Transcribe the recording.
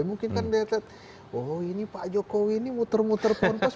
mungkin kan dia lihat oh ini pak jokowi ini muter muter ponpes